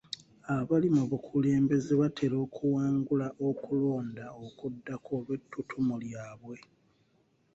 Abali mu bukulembeze batera okuwangula okulonda okuddako olw'etuttumu lyabwe.